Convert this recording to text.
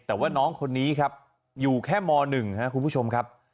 แต่ว่าน้องคนนี้ครับอยู่แค่ม๑ครับคุณผู้ชมครับ